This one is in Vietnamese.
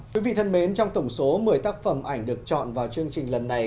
quý vị thân mến trong tổng số một mươi tác phẩm ảnh được chọn vào chương trình lần này